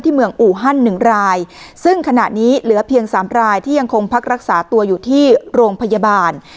เมืองอูฮันหนึ่งรายซึ่งขณะนี้เหลือเพียงสามรายที่ยังคงพักรักษาตัวอยู่ที่โรงพยาบาล